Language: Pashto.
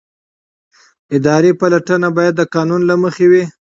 اداري پلټنه باید د قانون له مخې وي.